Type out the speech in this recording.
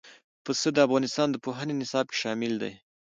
پسه د افغانستان د پوهنې نصاب کې شامل دي.